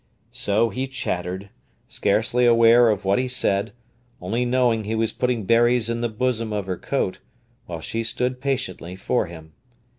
So he chattered, scarcely aware of what he said, only knowing he was putting berries in the bosom of her coat, while she stood patiently for him.